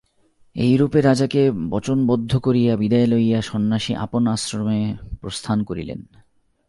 এই রূপে রাজাকে বচনবদ্ধ করিয়া বিদায় লইয়া সন্ন্যাসী আপন আশ্রমে প্রস্থান করিলেন।